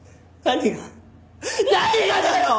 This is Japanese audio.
何がだよ！？